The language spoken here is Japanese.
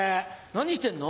何してんの？